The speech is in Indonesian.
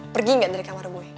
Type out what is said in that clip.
pergi nggak dari kamar gue